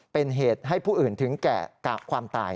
เป็นเหตุให้ผู้อื่นถึงแก่กะความตาย